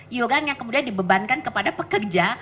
iuran yang kemudian dibebankan kepada pekerja